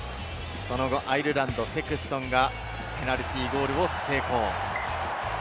その後、アイルランドのセクストンがペナルティーゴールを成功。